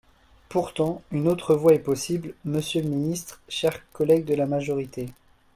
Pourtant, une autre voie est possible, monsieur le ministre, chers collègues de la majorité.